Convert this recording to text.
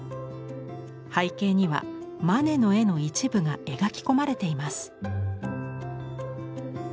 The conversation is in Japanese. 背景にはマネの絵の一部が描き込まれています。